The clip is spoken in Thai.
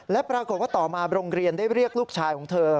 และปรากฏว่าต่อมาโรงเรียนได้เรียกลูกชายของเธอ